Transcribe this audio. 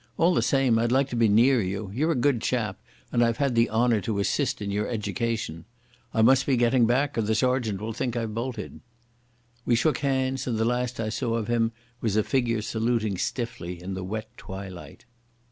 All the same I'd like to be near you. You're a good chap, and I've had the honour to assist in your education.... I must be getting back, or the sergeant will think I've bolted." We shook hands, and the last I saw of him was a figure saluting stiffly in the wet twilight.